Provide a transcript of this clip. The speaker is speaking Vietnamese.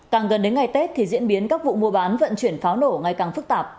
càng gần đến ngày tết thì diễn biến các vụ mua bán vận chuyển pháo nổ ngày càng phức tạp